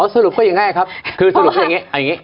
สรุปเป็นอย่างง่ายครับคือสรุปเป็นอย่างงี้